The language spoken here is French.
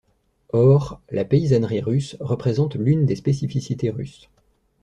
Or, la paysannerie russe représente l'une des spécificités russes.